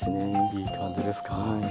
いい感じですか？